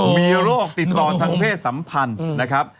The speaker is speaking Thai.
มีโรคติดต่อทางเพศสัมพันธ์นะครับ